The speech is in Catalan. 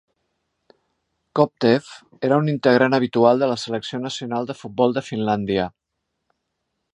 Kopteff era un integrant habitual de la selecció nacional de futbol de Finlàndia.